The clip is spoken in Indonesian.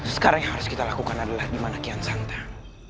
sekarang yang harus kita lakukan adalah di mana kian santai